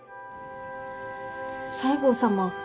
西郷様